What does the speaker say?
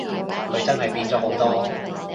佢真係變咗好多